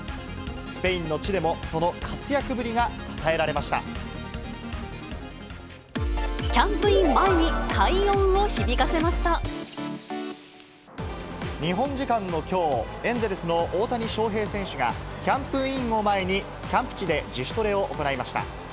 スペインの地でも、キャンプイン前に快音を響か日本時間のきょう、エンゼルスの大谷翔平選手が、キャンプインを前に、キャンプ地で自主トレを行いました。